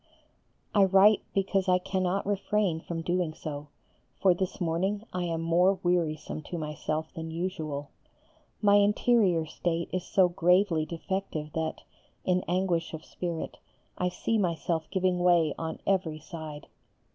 I write because I cannot refrain from doing so; for this morning I am more wearisome to myself than usual. My interior state is so gravely defective that, in anguish of spirit, I see myself giving way on every side.